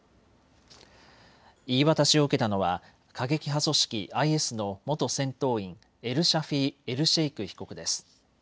言い渡しを受けたのは過激派組織ＩＳの元戦闘員、エルシャフィー・エルシェイク被告です。